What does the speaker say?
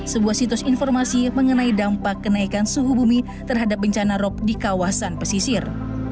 sebuah situs informasi mengenai dampak kenaikan suhu bumi terhadap bencana rop di kawasan pesisir